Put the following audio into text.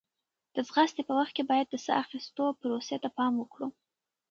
د ځغاستې په وخت کې باید د ساه اخیستو پروسې ته پام وکړو.